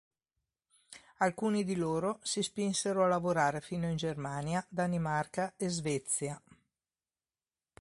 Alcuni di loro si spinsero a lavorare fino in Germania, Danimarca e Svezia.